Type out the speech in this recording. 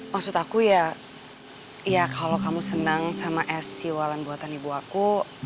maksud aku ya kalau kamu senang sama es siwalan buatan ibu aku